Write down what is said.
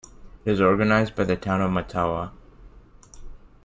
It is organized by the Town of Mattawa.